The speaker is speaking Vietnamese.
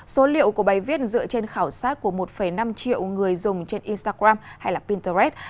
số liệu của bài viết dựa trên khảo sát của một năm triệu người dùng trên instagram hay pinterest